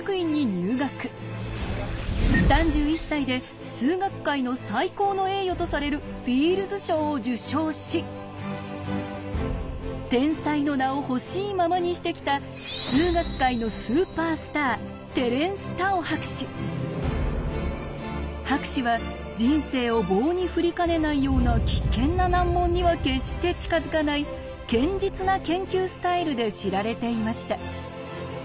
３１歳で数学界の最高の栄誉とされるフィールズ賞を受賞し天才の名をほしいままにしてきた数学界のスーパースター博士は人生を棒に振りかねないような危険な難問には決して近づかない堅実な研究スタイルで知られていました。